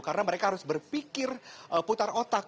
karena mereka harus berpikir putar otak